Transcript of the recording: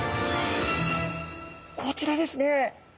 こちらですね！